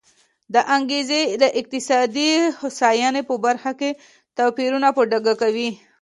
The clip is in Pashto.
دا انګېزې د اقتصادي هوساینې په برخه کې توپیرونه په ډاګه کوي.